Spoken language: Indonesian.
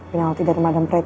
penalti dari madame preti